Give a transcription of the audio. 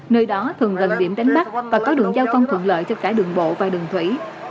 nơi đó thường gần điểm đánh bắt và có đường giao thông thuận lợi cho cả đường bộ và đường thủy